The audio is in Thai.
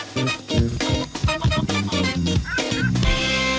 เพิ่มเวลา